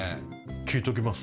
聞いときます